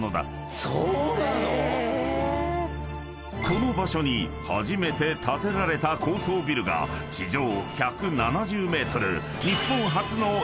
［この場所に初めて建てられた高層ビルが地上１７０ｍ］